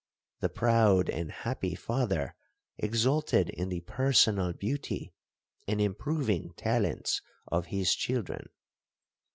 The proud and happy father exulted in the personal beauty, and improving talents of his children.